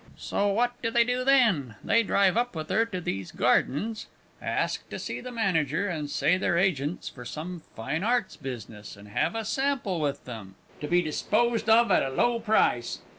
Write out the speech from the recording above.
So what do they do then? They drive up with her to these gardens, ask to see the manager, and say they're agents for some Fine Arts business, and have a sample with them, to be disposed of at a low price.